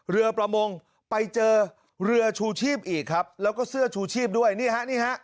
เรือประมงไปเจอเรือชูชีพอีกครับแล้วก็เสื้อชูชีพด้วยนี่ฮะนี่ฮะ